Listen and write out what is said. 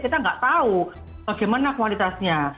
kita nggak tahu bagaimana kualitasnya